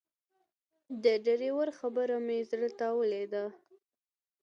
د ډرایور خبره مې زړه ته ولوېده.